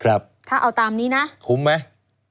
คุณนิวจดไว้หมื่นบาทต่อเดือนมีค่าเสี่ยงให้ด้วย